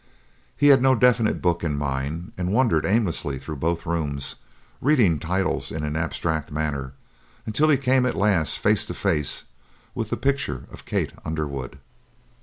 He had no definite book in mind and wandered aimlessly through both rooms, reading titles in an abstracted manner, until he came at last face to face with the picture of Kate Underwood.